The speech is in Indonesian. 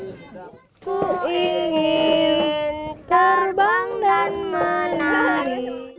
aku ingin terbang dan menari